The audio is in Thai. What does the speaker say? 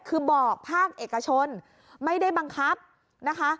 คือบอกภาคเอกชนไม่ได้บังคับนะคะ